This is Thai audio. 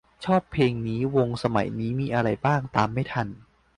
ชอบเพลงนี้ วงสมัยนี้มีอะไรบ้าง ตามไม่ทัน